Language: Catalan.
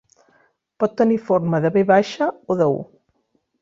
Pot tenir forma de ve baixa o de u.